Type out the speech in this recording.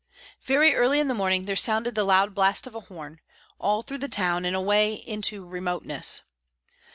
Very early in the morning there sounded the loud blast of a horn, all through the town and away into remoteness.